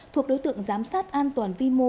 thuộc đối tượng giám sát an toàn vi mô